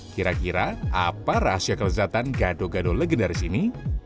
kira kira apa rahasia kelezatan gado gado legendaris ini